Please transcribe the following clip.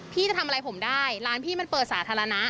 พี่จะทำอะไรผมได้ร้านพี่มันเปิดสาธารณะ